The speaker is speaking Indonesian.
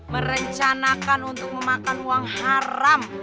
merencanakan untuk memakan uang haram